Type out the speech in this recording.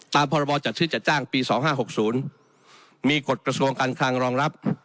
ตามพรจจปี๒๕๖๐มีกฎกระทรวงการคลางรองรับ